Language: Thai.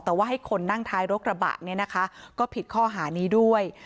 แต่ว่าให้คนนั่งท้ายรถกระบะเนี่ยนะคะก็ผิดข้อหานี้ด้วย